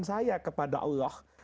saya kepada allah